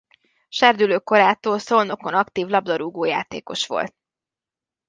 Serdülő korától Szolnokon aktív labdarúgó játékos volt.